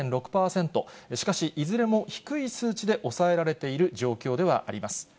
しかし、いずれも低い数値で抑えられている状況ではあります。